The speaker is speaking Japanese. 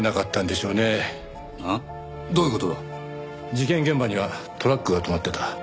事件現場にはトラックが止まってた。